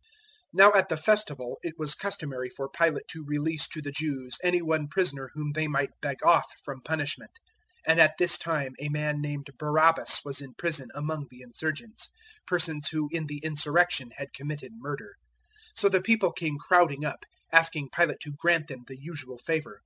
015:006 Now at the Festival it was customary for Pilate to release to the Jews any one prisoner whom they might beg off from punishment; 015:007 and at this time a man named Barabbas was in prison among the insurgents persons who in the insurrection had committed murder. 015:008 So the people came crowding up, asking Pilate to grant them the usual favour.